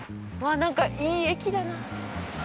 なんかいい駅だな。